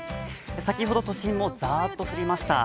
先ほど都心もザーッと降りました。